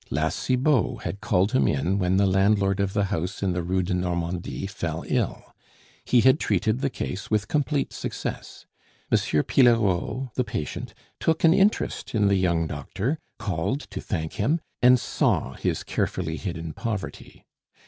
La Cibot had called him in when the landlord of the house in the Rue de Normandie fell ill; he had treated the case with complete success; M. Pillerault, the patient, took an interest in the young doctor, called to thank him, and saw his carefully hidden poverty.